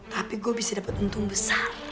tapi gue bisa dapat untung besar